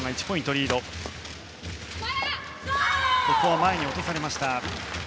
ここは前に落とされました。